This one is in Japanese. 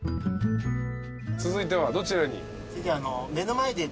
続いてはどちらに。